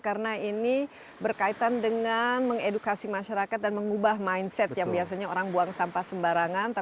karena ini berkaitan dengan mengedukasi masyarakat dan mengubah mindset yang biasanya orang buang sampah sembarangan